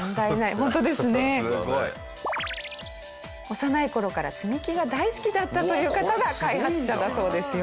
幼い頃から積み木が大好きだったという方が開発者だそうですよ。